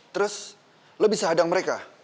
terus lo bisa hadang mereka